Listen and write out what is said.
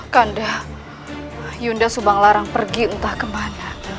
kanda yunda subanglarang pergi entah kemana